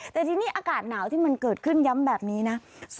แต่ทีนี้อากาศหนาวที่มันเกิดขึ้นย้ำแบบนี้นะ